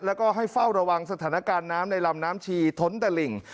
แล้วก็ให้เฝ้าระวังสถานการณ์น้ำในลำน้ำชีท้นตะหลิ่ง